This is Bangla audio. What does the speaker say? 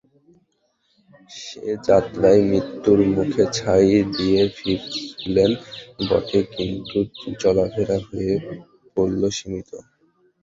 সে-যাত্রায় মৃত্যুর মুখে ছাই দিয়ে ফিরলেন বটে, কিন্তু চলাফেরা হয়ে পড়ল সীমিত।